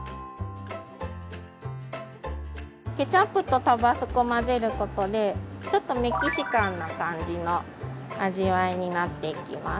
ケチャップとタバスコ混ぜることでちょっとメキシカンな感じの味わいになっていきます。